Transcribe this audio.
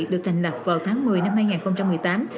được thành lập vào tháng một mươi năm hai nghìn một mươi tám